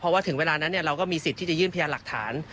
เพราะว่าถึงเวลานั้นเราก็มีสิทธิ์ที่จะยื่นพยานหลักฐาน